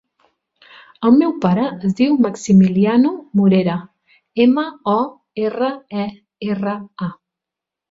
El meu pare es diu Maximiliano Morera: ema, o, erra, e, erra, a.